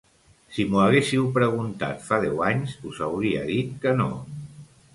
Si m’ho haguéssiu preguntat fa deu anys, us hauria dit que no.